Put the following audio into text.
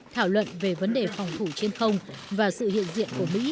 thảo luận về vấn đề phòng thủ trên không và sự hiện diện của mỹ